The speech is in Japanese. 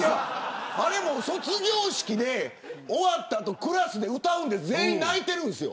卒業式で終わったあとクラスで歌うんで全員泣いてるんですよ。